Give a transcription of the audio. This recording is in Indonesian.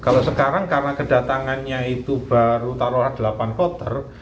kalau sekarang karena kedatangannya itu baru taruhlah delapan potter